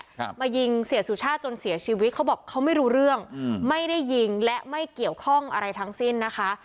ครับมายิงเสียสุชาติจนเสียชีวิตเขาบอกเขาไม่รู้เรื่องอืมไม่ได้ยิงและไม่เกี่ยวข้องอะไรทั้งสิ้นนะคะ